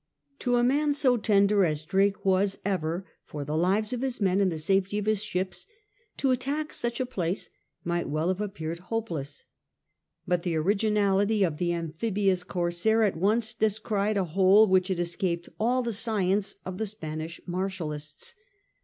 To a man so tender as Drake ever was for the lives of his men and the safety of his ships, to attack such a place might well have appeared hopeless ; but the origin ality of the amphibious corsair at once descried a hole which had escaped all the science of the Spanish martialists.